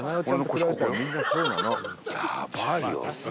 やばいよ。